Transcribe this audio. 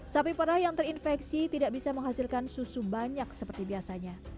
sapi perah yang terinfeksi tidak bisa menghasilkan susu banyak seperti biasanya